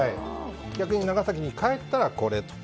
逆に長崎に帰ったらこれと。